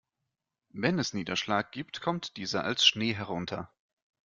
Wenn es Niederschlag gibt, kommt dieser als Schnee herunter.